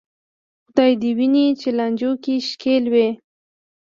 خدای دې دې ویني چې لانجو کې ښکېل وې.